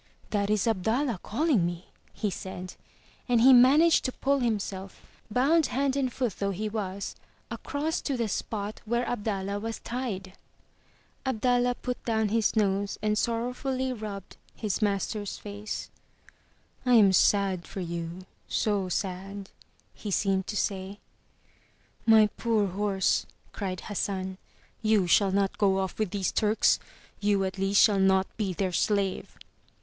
'That is Abdallah calling me," he said, and he managed to pull himself, bound hand and foot though he was, across to the spot where Abdallah was tied. Abdallah put down his nose and sorrowfully rubbed his 310 UP ONE PAIR OF STAIRS master's face. '1 am sad for you, so sad/' he seemed to say. ''My poor horse," cried Hassan, "you shall not go off with these Turks! You at least shall not be their slave